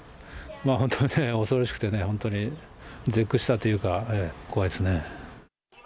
本当ね、恐ろしくてね、本当に絶句したというか、怖いですね。